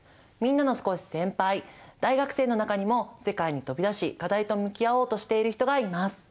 みんなの少し先輩大学生の中にも世界に飛び出し課題と向き合おうとしている人がいます。